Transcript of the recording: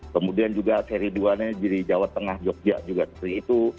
kemudian juga seri dua nya di jawa tengah jogja juga seperti itu